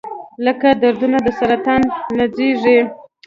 لکه دردونه د سرطان نڅیږي